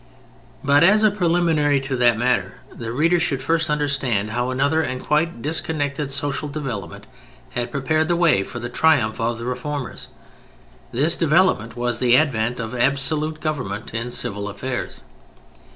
But as a preliminary to that matter, the reader should first understand how another and quite disconnected social development had prepared the way for the triumph of the reformers. This development was the advent of Absolute Government in civil affairs.